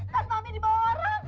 tas mami dibawa orang